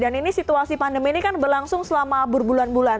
dan ini situasi pandemi ini kan berlangsung selama berbulan